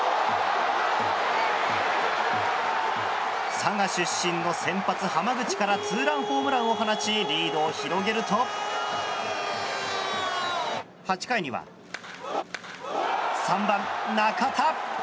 佐賀出身の先発、濱口からツーランホームランを放ちリードを広げると８回には３番、中田。